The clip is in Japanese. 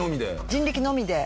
人力のみで。